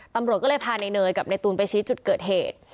ตำรวจก็เลยพานายเนยกับในตูนไปชี้จุดเกิดเหตุ